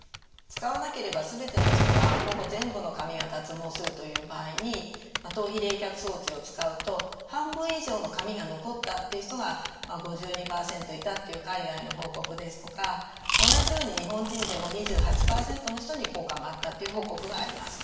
使わなければ全ての人がほぼ全部の髪が脱毛するという場合に頭皮冷却装置を使うと半分以上の髪が残ったっていう人が５２％いたっていう海外の報告ですとか同じように日本人でも２８％の人に効果があったっていう報告があります。